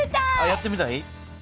やってみたい？